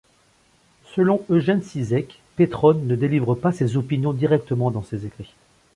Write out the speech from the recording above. Selon Eugen Cizek, Pétrone ne délivre pas ses opinions directement dans ses écrits.